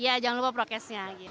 iya jangan lupa prokesnya